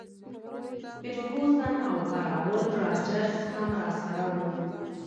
فرګوسن او کراول راجرز هم راسره وو.